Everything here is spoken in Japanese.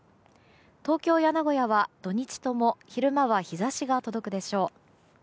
東京や名古屋は、土日とも昼間は日差しが届くでしょう。